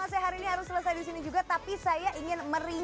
kalau kamu base duit bagi pengeluaran gini